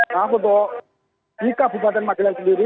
maaf untuk di kabupaten magelang sendiri